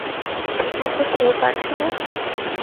ঠিকমত খেয়ে পারছে না।